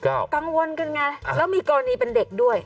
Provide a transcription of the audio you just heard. กังวลกันไงแล้วมีกรณีเป็นเด็กด้วย